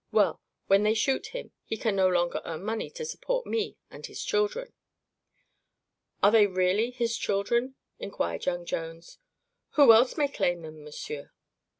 Well; when they shoot him he can no longer earn money to support me and his children." "Are they really his children?" inquired young Jones. "Who else may claim them, monsieur?"